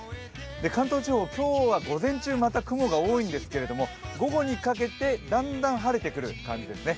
関東地方、今日は午前中、また雲が多いんですけれども、午後にかけて、だんだん晴れてくる感じですね。